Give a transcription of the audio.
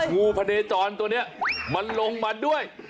งูพะเดจรตัวนี้มันลงมาด้วย